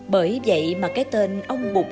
bởi vậy mà cái tên ông bụt